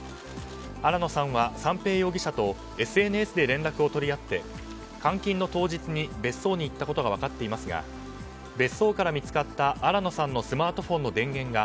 新野さんは三瓶容疑者とＳＮＳで連絡を取り合って監禁の当日に別荘に行ったことが分かっていますが別荘から見つかった新野さんのスマートフォンの電源が